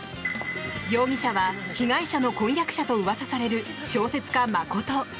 容疑者は被害者の婚約者とうわさされる小説家・真琴。